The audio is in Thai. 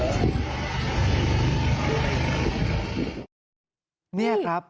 นี่ครับ